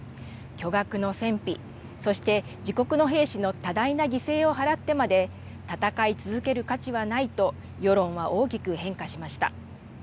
巨額の戦費、そして自国の兵士の多大の犠牲を払ってまで、戦い続ける価値はないと、世論は大きく変化しました。